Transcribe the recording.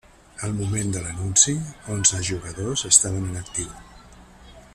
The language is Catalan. Al moment de l'anunci, onze jugadors estaven en actiu.